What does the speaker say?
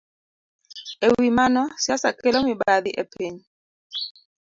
E wi mano, siasa kelo mibadhi e piny.